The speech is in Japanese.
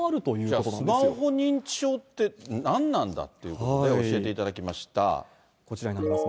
じゃあ、スマホ認知症って、なんなんだっていうことで教えてこちらになりますね。